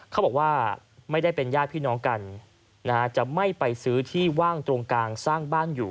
เขาบอกว่าไม่ได้เป็นญาติพี่น้องกันจะไม่ไปซื้อที่ว่างตรงกลางสร้างบ้านอยู่